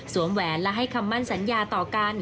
แหวนและให้คำมั่นสัญญาต่อกัน